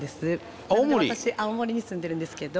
私青森に住んでるんですけど。